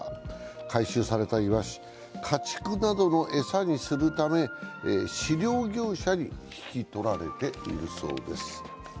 回収されたいわしは、家畜などの餌にするため飼料業者に引き取られているそうです。